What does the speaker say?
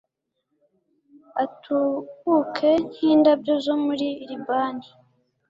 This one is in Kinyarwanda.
atubuke nk’indabyo zo muri Libani